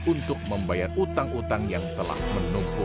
untuk membayar utang utang yang telah menunggu